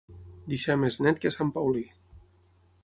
Deixar més net que a sant Paulí.